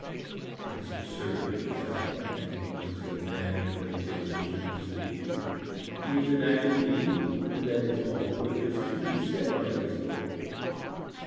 It is absurd to ask what induces a man to activity generally speaking. He is an active being and that is all there is to be said on that score.